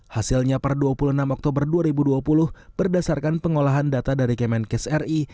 hasilnya per dua puluh enam oktober dua ribu dua puluh berdasarkan pengolahan data dari kemenkes ri